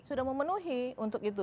sudah memenuhi untuk itu